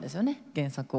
原作を。